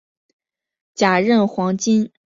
假韧黄芩为唇形科黄芩属下的一个种。